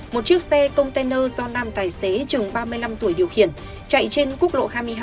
một chiếc xe container do nam tài xế chừng ba mươi năm tuổi điều khiển chạy trên quốc lộ hai mươi hai